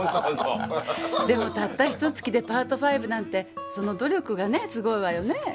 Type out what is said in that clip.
でもたったひと月でパート５なんてその努力がすごいわよね？